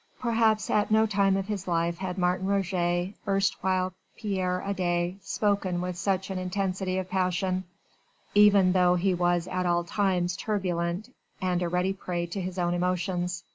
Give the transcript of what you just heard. Perhaps at no time of his life had Martin Roget, erstwhile Pierre Adet, spoken with such an intensity of passion, even though he was at all times turbulent and a ready prey to his own emotions.